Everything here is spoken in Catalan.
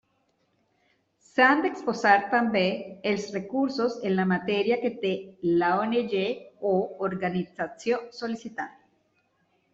S'han d'exposar també els recursos en la matèria que té l'ONG o organització sol·licitant.